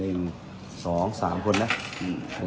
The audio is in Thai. ส่วนสุดท้ายส่วนสุดท้ายส่วนสุดท้าย